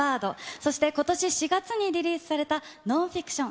そしてことし４月にリリースされたノンフィクション。